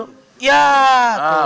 ya kok berbentuk